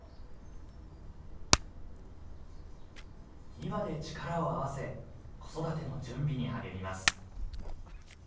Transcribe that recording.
２羽で力を合わせ子育ての準備に励みます。